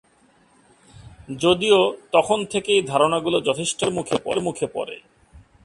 যদিও তখন থেকেই ধারণাগুলো যথেষ্ট বিতর্কের মুখে পড়ে।